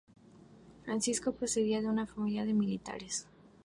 Francisco procedía de una familia de militares.